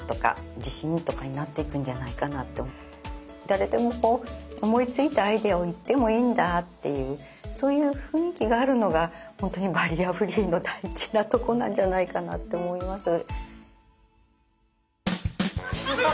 誰でも思いついたアイデアを言ってもいいんだっていうそういう雰囲気があるのが本当にバリアフリーの大事なとこなんじゃないかなって思います。